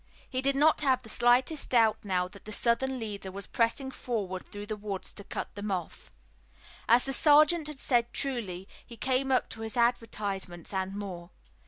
He did not have the slightest doubt now that the Southern leader was pressing forward through the woods to cut them off. As the sergeant had said truly, he came up to his advertisements and more.